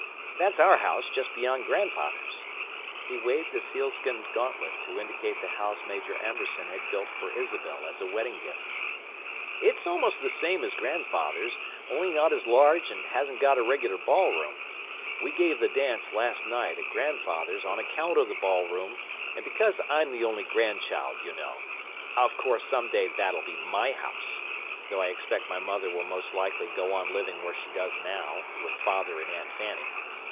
That's our house just beyond grandfather's." He waved a sealskin gauntlet to indicate the house Major Amberson had built for Isabel as a wedding gift. "It's almost the same as grandfather's, only not as large and hasn't got a regular ballroom. We gave the dance, last night, at grandfather's on account of the ballroom, and because I'm the only grandchild, you know. Of course, some day that'll be my house, though I expect my mother will most likely go on living where she does now, with father and Aunt Fanny.